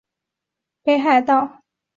出身于北海道。